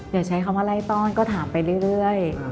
อย่าใช้คำว่าไล่ต้อนก็ถามไปเรื่อย